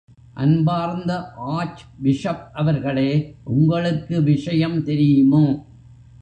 அன்பார்ந்த archbishop அவர்களே, உங்களுக்கு விஷயம் தெரியுமோ?